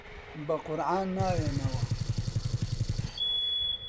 بە قورعان نایەینەوە!